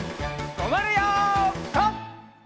とまるよピタ！